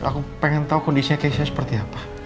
aku pengen tahu kondisinya keisha seperti apa